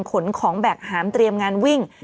ขนของแบกหามเตรียมงานวิ่ง